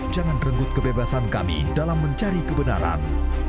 jangan renggut kebebasan kami dalam mencari kebenaran